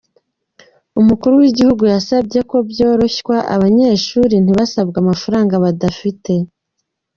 Umukuru w’Igihugu yasabye ko byoroshywa abanyeshuri ntibasabwe amafaranga badafite.